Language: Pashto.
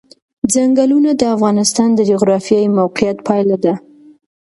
ځنګلونه د افغانستان د جغرافیایي موقیعت پایله ده.